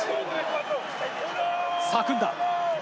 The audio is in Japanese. さぁ、組んだ。